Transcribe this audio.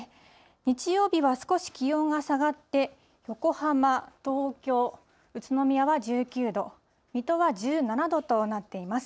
日曜日は少し気温が下がって、横浜、東京、宇都宮は１９度、水戸は１７度となっています。